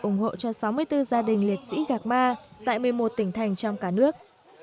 ủng hộ cho sáu mươi bốn gia đình liệt sĩ gạc ma tại một mươi một tỉnh thành trong cả nước